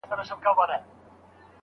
سمدستي سو د خپل پلار مخ ته ور وړاندي